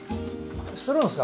するんすか？